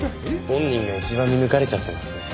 本人が一番見抜かれちゃってますね。